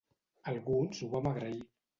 Alguns ho vam agrair.